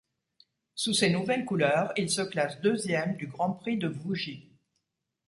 Sous ses nouvelles couleurs, il se classe deuxième du Grand Prix de Vougy.